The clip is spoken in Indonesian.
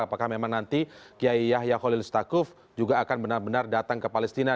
apakah memang nanti kiai yahya khalilistakuf juga akan benar benar datang ke palestina